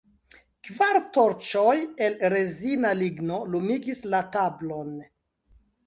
Kvar torĉoj el rezina ligno lumigis la tablon.